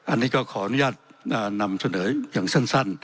อันนี้ก็ขออนุญาตนำเสนออย่างสั้น